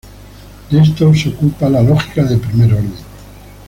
De esto se ocupa la lógica de primer orden.